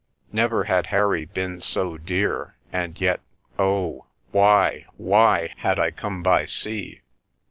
Never had Harry been so dear — and yet — oh! why, why had I come by sea?